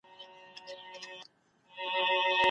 ماخذونه باید معتبر وي.